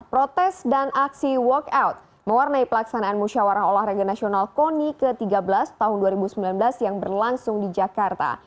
protes dan aksi walkout mewarnai pelaksanaan musyawarah olahraga nasional koni ke tiga belas tahun dua ribu sembilan belas yang berlangsung di jakarta